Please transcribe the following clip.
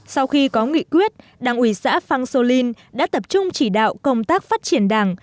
sau khi có nghị quyết đảng ủy xã phanxolin đã tập trung chỉ đạo công tác phát triển đảng